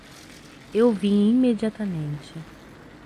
Eu vim imediatamente.